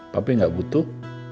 papi gak butuh